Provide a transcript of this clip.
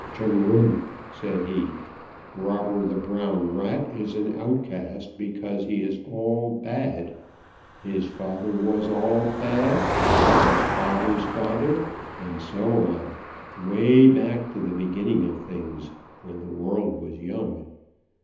"Chug a rum!" said he, "Robber the Brown Rat is an outcast because he is all bad. His father was all bad, and his father's father, and so on way back to the beginning of things when the world was young.